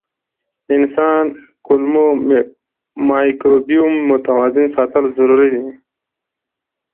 د انسان کولمو مایکروبیوم متوازن ساتل ضروري دي.